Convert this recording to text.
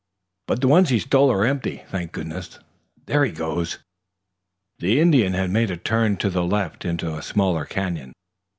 "But the ones he stole are empty, thank goodness! There he goes!" The Indian had made a turn to the left into a smaller canyon.